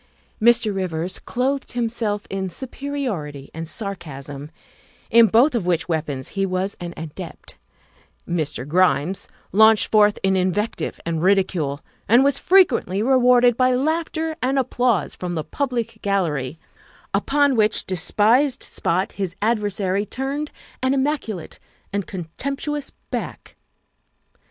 Mr. Rivers clothed himself in superiority and sar casm, in both of which weapons he was an adept; Mr. Grimes launched forth in invective and ridicule, and was frequently rewarded by laughter and applause from the public gallery, upon which despised spot his adver sary turned an immaculate and contemptuous back.